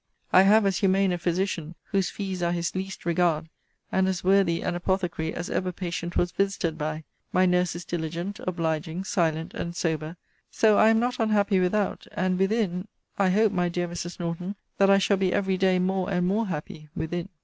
I have as humane a physician, (whose fees are his least regard,) and as worthy an apothecary, as ever patient was visited by. My nurse is diligent, obliging, silent, and sober. So I am not unhappy without: and within I hope, my dear Mrs. Norton, that I shall be every day more and more happy within.